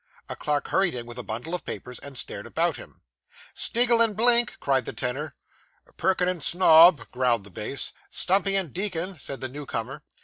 A clerk hurried in with a bundle of papers, and stared about him. 'Sniggle and Blink,' cried the tenor. 'Porkin and Snob,' growled the bass. 'Stumpy and Deacon,' said the new comer.